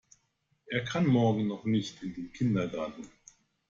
Er kann morgen noch nicht in den Kindergarten.